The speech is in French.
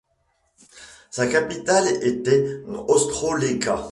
Sa capitale était Ostrołęka.